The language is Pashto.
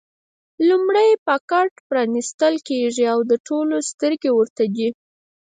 لومړی پاکټ پرانېستل کېږي او د ټولو سترګې ورته دي.